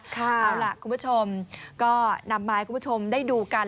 เอาล่ะคุณผู้ชมก็นำมาให้คุณผู้ชมได้ดูกัน